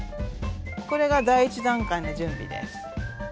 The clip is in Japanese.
これが第１段階の準備です。